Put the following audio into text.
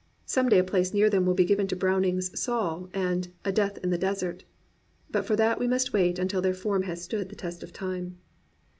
Some day a place near them will be given to Browning's Saul and A Deaih in the Desert; but for that we must wait until their form has stood the test of time.